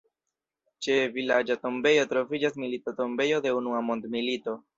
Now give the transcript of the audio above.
Ĉe vilaĝa tombejo troviĝas milita tombejo de unua mondmilito.